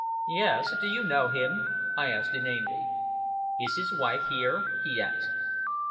"Yes! Do you know him?" I asked inanely. "Is his wife here?" he asked.